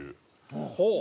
ほう！